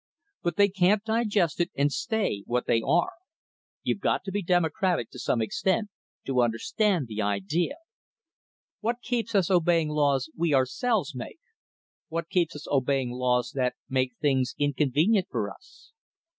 But they can't digest it and stay what they are; you've got to be democratic, to some extent, to understand the idea. What keeps us obeying laws we ourselves make? What keeps us obeying laws that make things inconvenient for us?